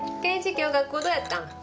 今日学校どうやったん？